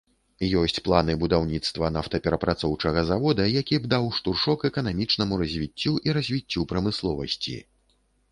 Ёсць планы будаўніцтва нафтаперапрацоўчага завода, які б даў штуршок эканамічнаму развіццю і развіццю прамысловасці.